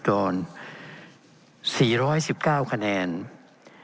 เป็นของสมาชิกสภาพภูมิแทนรัฐรนดร